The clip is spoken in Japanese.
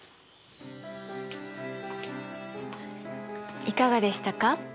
いかがでしたか？